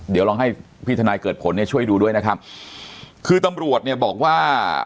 เดี๋ยวลองให้พี่ทนายเกิดผลเนี่ยช่วยดูด้วยนะครับคือตำรวจเนี่ยบอกว่า